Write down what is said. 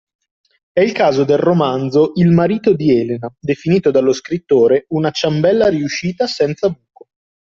È il caso del romanzo Il marito di Elena, definito dallo scrittore “una ciambella riuscita senza buco”.